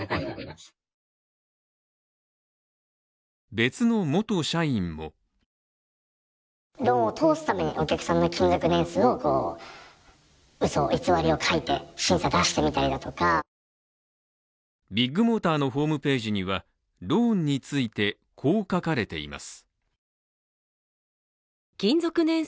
別の元社員もビッグモーターのホームページにはローンについて、こう書かれています。